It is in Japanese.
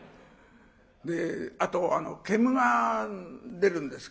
あと煙が出るんです。